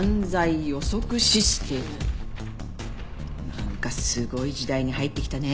なんかすごい時代に入ってきたね。